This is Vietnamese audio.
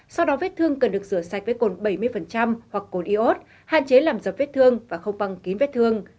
sau đó vết thương cần được rửa sạch với cồn bảy mươi hoặc cồn iốt hạn chế làm dập vết thương và không bằng kín vết thương